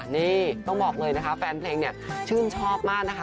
นี่ต้องบอกเลยนะคะแฟนเพลงเนี่ยชื่นชอบมากนะคะ